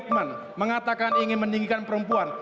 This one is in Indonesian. mengatakan ingin meninggikan perempuan